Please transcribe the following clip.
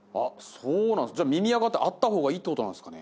そうなんですかじゃあ耳アカってあった方がいいってことなんですかね？